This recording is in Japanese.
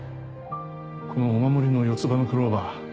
このお守りの四つ葉のクローバー